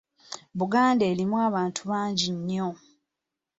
Buganda erimu abantu bangi nnyo.